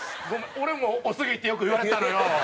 俺も「おすぎ」ってよく言われたのよ。